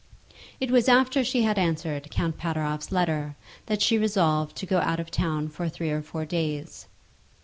It was after she had answered Count Pateroff's letter that she resolved to go out of town for three or four days.